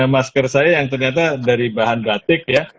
masker saya yang ternyata dari bahan batik ya